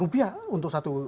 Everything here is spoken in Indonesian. rupiah untuk satu